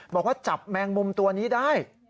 บอกว่าจับแมงมุมตัวนี้ได้